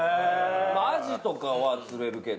アジとかは釣れるけど。